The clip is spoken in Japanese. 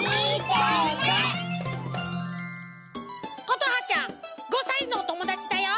ことはちゃん５さいのおともだちだよ。